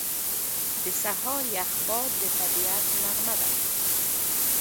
• د سهار یخ باد د طبیعت نغمه ده.